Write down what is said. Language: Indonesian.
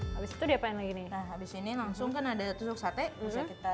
habis itu dia pengen lagi nih habis ini langsung kan ada tusuk sate bisa kita